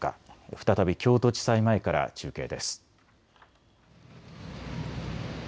再び京都地裁前から中継です。